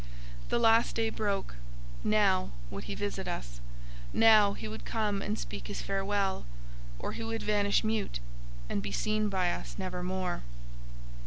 The last day broke. Now would he visit us. Now he would come and speak his farewell, or he would vanish mute, and be seen by us nevermore.